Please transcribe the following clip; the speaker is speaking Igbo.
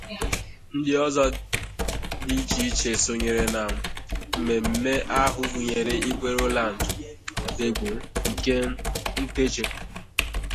Ndị ọzọ dị iche iche sonyere na mmemme ahụ gụnyèrè Igwe Rowland Odegbo nke Nteje